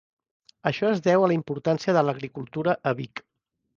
Això es deu a la importància de l'agricultura a Vik.